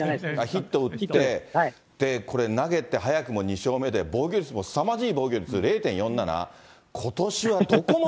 ヒット打って、これ、投げて、早くも２勝目で、防御率もすさまじい防御率、０．４７。